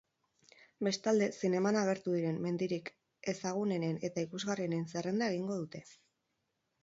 Bestalde, zineman agertu diren mendirik ezagunenen eta ikusgarrienen zerrenda egingo digute.